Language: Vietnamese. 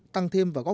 tăng thêm và cấp thêm